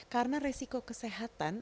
karena resiko kesehatan